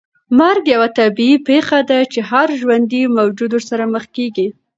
مرګ یوه طبیعي پېښه ده چې هر ژوندی موجود ورسره مخ کېږي.